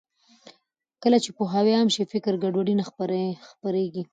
کله چې پوهاوی عام شي، فکري ګډوډي نه خپرېږي.